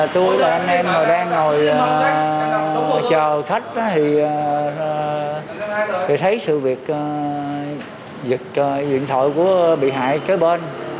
tôi là anh em mà đang ngồi chờ khách thì thấy sự việc giật điện thoại của bị hại kế bên